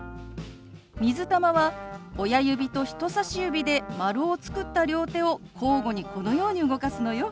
「水玉」は親指と人さし指で丸を作った両手を交互にこのように動かすのよ。